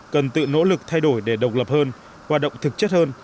cần tự nỗ lực thay đổi để độc lập hơn hoạt động thực chất hơn